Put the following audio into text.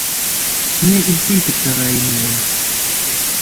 Һине илсе итеп тәғәйенләйем!